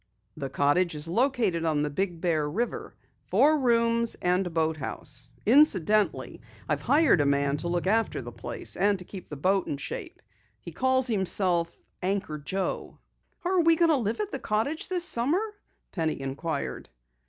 "The cottage is located on the Big Bear River. Four rooms and a boathouse. Incidentally, I've hired a man to look after the place and keep the boat in shape. He calls himself Anchor Joe." "Are we going to live at the cottage this summer?" Penny inquired.